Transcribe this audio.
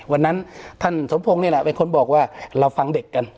วันนั้นท่านสมพงศ์นี่แหละเป็นคนบอกว่าเราฟังเด็กกัน